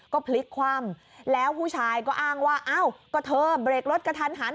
ก็พลิกคว่ำแล้วผู้ชายก็อ้างว่าอ้าวก็เธอเบรกรถกระทันหัน